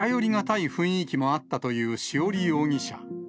近寄りがたい雰囲気もあったという潮理容疑者。